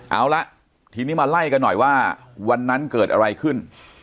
เอาละทีนี้มาไล่กันหน่อยว่าวันนั้นเกิดอะไรขึ้น